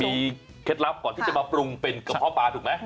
มีเคล็ดลับก่อนที่จะมาปรุงเป็นกระเพาะปลาถูกไหม